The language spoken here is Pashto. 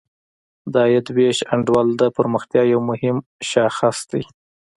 د عاید ویش انډول د پرمختیا یو مهم شاخص دی.